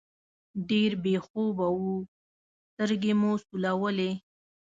ډېر بې خوبه وو، سترګې مو سولولې.